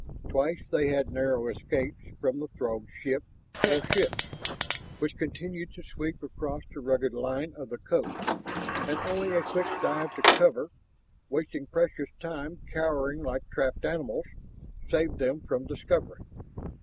Twice they had narrow escapes from the Throg ship or ships which continued to sweep across the rugged line of the coast, and only a quick dive to cover, wasting precious time cowering like trapped animals, saved them from discovery.